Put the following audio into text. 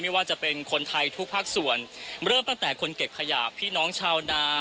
ว่าจะเป็นคนไทยทุกภาคส่วนเริ่มตั้งแต่คนเก็บขยะพี่น้องชาวนา